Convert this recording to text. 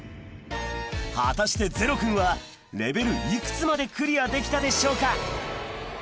果たしてゼロくんはレベルいくつまでクリアできたでしょうか？